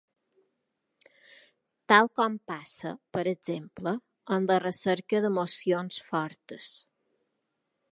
Tal com passa, per exemple, en la recerca d'emocions fortes.